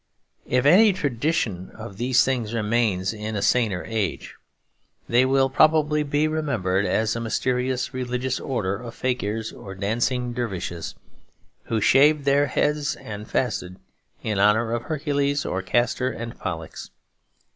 If any tradition of these things remains in a saner age, they will probably be remembered as a mysterious religious order of fakirs or dancing dervishes, who shaved their heads and fasted in honour of Hercules or Castor and Pollux.